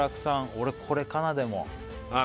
俺これかなでもああ